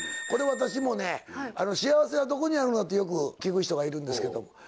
これ私もね「幸せはどこにあるの？」とよく聞く人がいるんですけども。